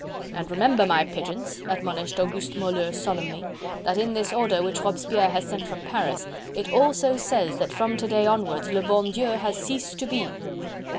"And remember, my pigeons," admonished Auguste Moleux solemnly, "that in this order which Robespierre has sent from Paris, it also says that from to day onwards le bon Dieu has ceased to be!"